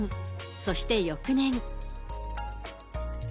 そして翌年。